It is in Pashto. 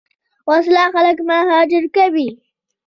وسله خلک مهاجر کوي